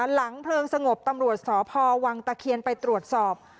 หลังเพลิงสงบตำรวจสพวังตะเคียนไปตรวจสอบ